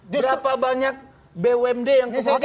berapa banyak bumd yang kemudian